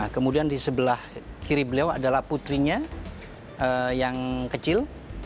kemudian di sebelah kiri beliau adalah putrinya yang kecil